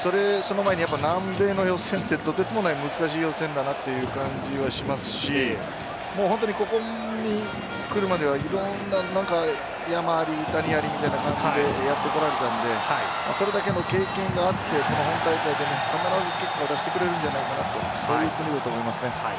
南米の予選ってとてつもなく難しい予選だなという感じがしますしここに来るまではいろんな山あり谷ありみたいな感じでやってこられたのでそれだけの経験があって本大会で必ず結果を出してくれるんじゃないかなというふうに思います。